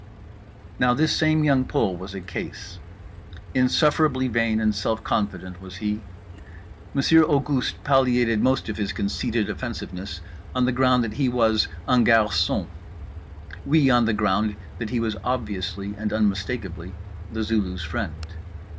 Now this same Young Pole was a case. Insufferably vain and self confident was he. Monsieur Auguste palliated most of his conceited offensiveness on the ground that he was un garçon; we on the ground that he was obviously and unmistakably The Zulu's friend.